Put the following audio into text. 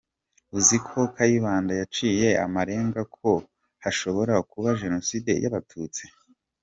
Uziko Kayibanda yaciye amarenga ko hashobora kuba Jenoside y’Abatutsi ?